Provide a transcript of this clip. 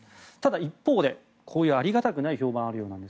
一方でありがたくない評判があるようです。